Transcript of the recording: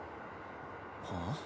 はあ？